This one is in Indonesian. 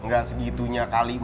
gak segitunya kali itu